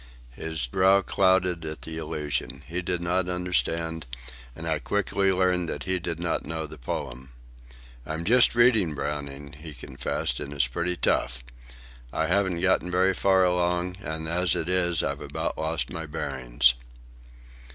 His brow clouded at the allusion. He did not understand, and I quickly learned that he did not know the poem. "I'm just reading Browning," he confessed, "and it's pretty tough. I haven't got very far along, and as it is I've about lost my bearings."